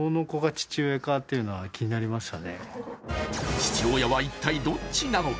父親は一体どっちなのか。